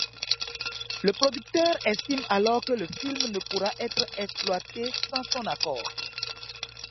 Le producteur estime alors que le film ne pourra être exploité sans son accord.